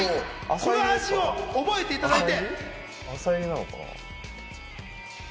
この味を覚えていただいて。